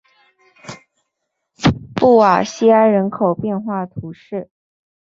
布瓦西埃人口变化图示